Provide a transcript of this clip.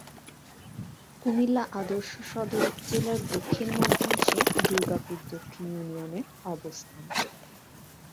কুমিল্লা আদর্শ সদর উপজেলার দক্ষিণ-মধ্যাংশে দুর্গাপুর দক্ষিণ ইউনিয়নের অবস্থান।